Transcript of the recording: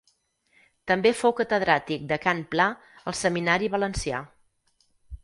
També fou catedràtic de cant pla al seminari valencià.